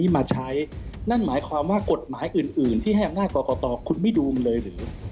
มาใช้นั่นหมายความว่ากฎหมายอื่นที่ให้อำนาจกรกตคุณไม่ดูมันเลยหรือ